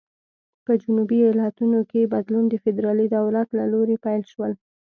په جنوبي ایالتونو کې بدلون د فدرالي دولت له لوري پیل شول.